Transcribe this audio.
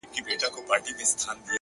د وخت پاچا زما اته ي دي غلا كړي!!